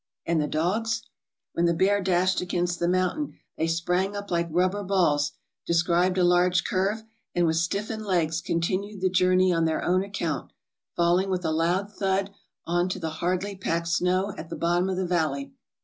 And the dogs? When the bear dashed against the mountain they sprang up like rubber balls, described a large curve, and with stiffened legs continued the journey on their own account, falling with a loud thud on to the hardly packed snow at the bottom of the valley.